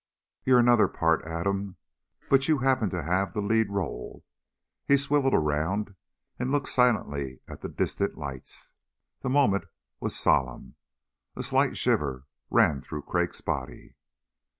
You're another part, Adam, but you happen to have the lead role." He swiveled around and looked silently at the distant lights. The moment was solemn. A slight shiver ran through Crag's body.